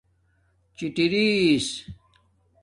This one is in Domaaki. چِٹرس